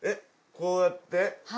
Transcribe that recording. こうやって。